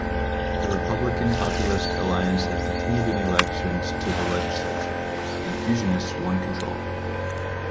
The Republican-Populist alliance had continued in elections to the legislature, and fusionists won control.